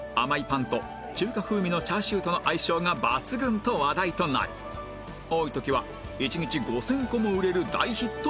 パンと中華風味のチャーシューとの相性が抜群と話題となり多い時は１日５０００個も売れる大ヒット商品